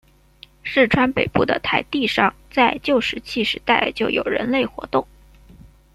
市川北部的台地上在旧石器时代就有人类活动。